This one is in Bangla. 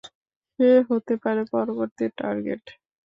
সে হতে পারে পরবর্তী টার্গেট।